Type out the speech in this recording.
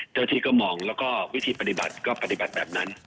เจ้าหน้าที่ก็มองแล้วก็วิธีปฏิบัติก็ปฏิบัติแบบนั้น